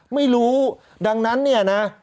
ไม่รู้ดังนั้นเนี่ยนะ